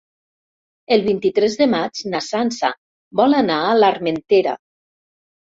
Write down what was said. El vint-i-tres de maig na Sança vol anar a l'Armentera.